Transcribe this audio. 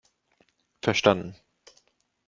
Verstanden!